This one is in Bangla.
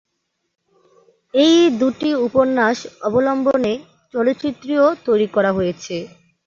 এ দুটি উপন্যাস অবলম্বনে চলচ্চিত্রও তৈরি করা হয়েছে।